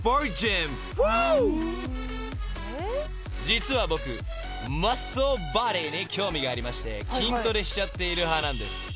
［実は僕マッスルボディーに興味がありまして筋トレしちゃっている派なんです］